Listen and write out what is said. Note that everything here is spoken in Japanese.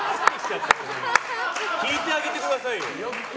聞いてあげてくださいよ。